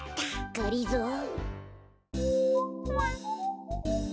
がりぞー。